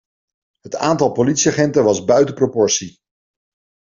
Het aantal politieagenten was buiten proportie.